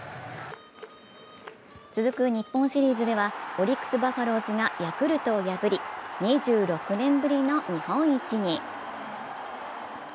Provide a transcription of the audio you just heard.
続く日本シリーズではオリックス・バファローズがヤクルトを破り、２６年ぶりの日本一に。